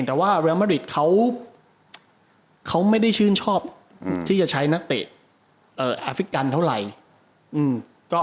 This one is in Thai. แต่ว่าเรียลมาริดเขาไม่ได้ชื่นชอบที่จะใช้นักเตะอาฟิกันเท่าไหร่